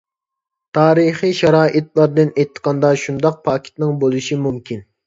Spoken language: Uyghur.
تارىخى شارائىتلاردىن ئېيتقاندا شۇنداق پاكىتنىڭ بولۇشى مۇمكىن.